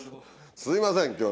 すいません今日。